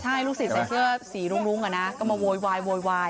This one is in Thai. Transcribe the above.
ใช่ลูกศิษย์ใส่เสื้อสีรุ้งอ่ะนะก็มาโวยวายโวยวาย